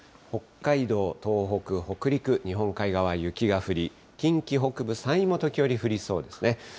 北海道、東北、北陸、日本海側、雪が降り、近畿北部、山陰も時折、降りそうですね。